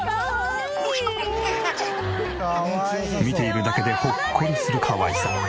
見ているだけでほっこりするかわいさ。